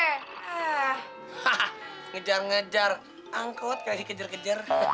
hah ngejar ngejar angkot kayak dikejar kejar